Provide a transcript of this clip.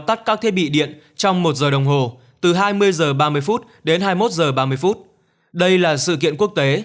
tắt các thiết bị điện trong một giờ đồng hồ từ hai mươi h ba mươi đến hai mươi một h ba mươi đây là sự kiện quốc tế